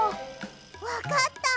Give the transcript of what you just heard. わかった！